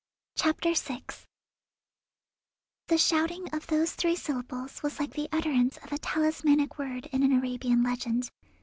CHAPTER VI The shouting of those three syllables was like the utterance of a talismanic word in an Arabian legend.